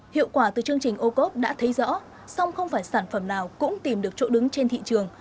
hiệu quả từ chương trình ô cốp đã thấy rõ song không phải sản phẩm nào cũng tìm được chỗ đứng trên thị trường